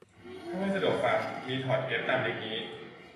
ถ้าไม่สะดวกฟัง มีถอดเทปตามลิงก์นี้